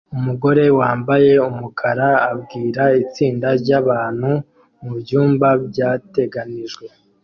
Umugore wambaye umukara abwira itsinda ryabantu mubyumba byateganijwe